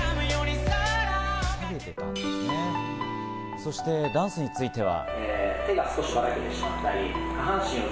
そしてダンスについては。